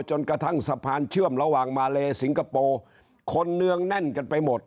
จนกระทั่งสะพานเชื่อมระหว่างมาเลสิงคโปร์คนเนืองแน่นกันไปหมด